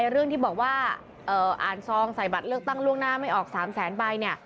เรื่องที่บอกว่าอ่านซองใส่บัตรเลือกตั้งล่วงหน้าไม่ออก๓แสนใบ